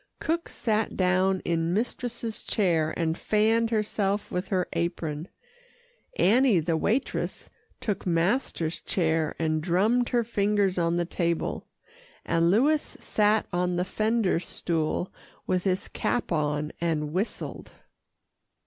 Cook sat down in mistress's chair and fanned herself with her apron, Annie the waitress took master's chair and drummed her fingers on the table, and Louis sat on the fender stool with his cap on and whistled.